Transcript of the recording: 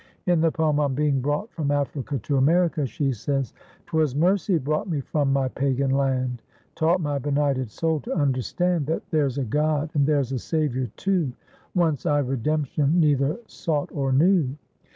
In the poem, "On Being Brought from Africa to America," she says: "'Twas mercy brought me from my pagan land, Taught my benighted soul to understand That there's a God and there's a Saviour too; Once I redemption neither sought or knew.